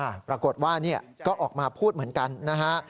หลังกฐว่าก็ออกมาพูดเหมือนกันนะฮะ